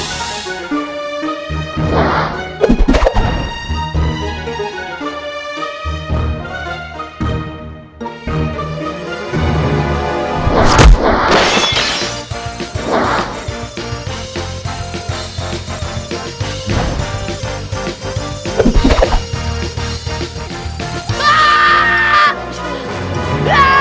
sentrasi pro gara